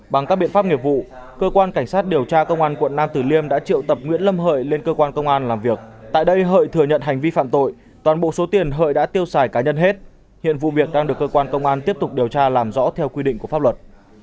bằng các biện pháp nghiệp vụ cơ quan cảnh sát điều tra công an quận nam tử liêm đã triệu tập nguyễn lâm hợi lên cơ quan công an làm việc tại đây hợi thừa nhận hành vi phạm tội toàn bộ số tiền hợi đã tiêu xài cá nhân hết hiện vụ việc đang được cơ quan công an tiếp tục điều tra làm rõ theo quy định của pháp luật